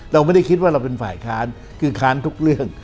เราไม่ได้คิดว่าเราเป็นฝ่ายค้านคือค้านทุกเรื่อง